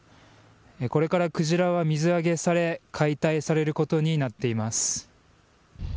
これから鯨は水揚げされ解体されることになっています。